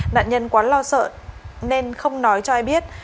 nạn nhân quá lo sợ nên không nói cho ai biết